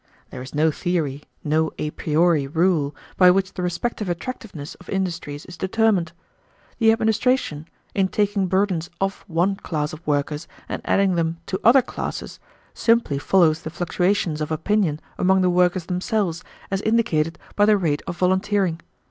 There is no theory, no a priori rule, by which the respective attractiveness of industries is determined. The administration, in taking burdens off one class of workers and adding them to other classes, simply follows the fluctuations of opinion among the workers themselves as indicated by the rate of volunteering.